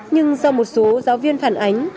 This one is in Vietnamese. nhưng do một số giáo viên phản ánh